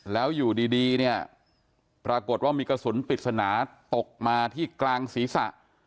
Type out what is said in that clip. แล้วอยู่ดีเนี่ยปรากฏว่ามีกระสุนปริศนาตกมาที่กลางศีรษะ